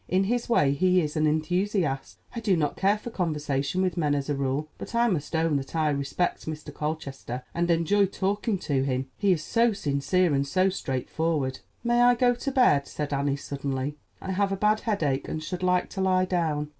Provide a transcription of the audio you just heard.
In his way he is an enthusiast. I do not care for conversation with men as a rule; but I must own that I respect Mr. Colchester, and enjoy talking to him. He is so sincere and so straightforward." "May I go to bed?" said Annie suddenly. "I have a bad headache, and should like to lie down."